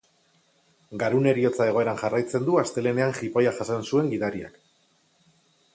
Garun heriotza egoeran jarraitzen du astelehenean jipoia jasan zuen gidariak.